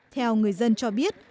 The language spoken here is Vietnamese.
theo người dân cho biết